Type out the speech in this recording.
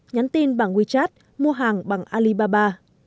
nhắn tin bằng wechat mua hàng bằng alibaba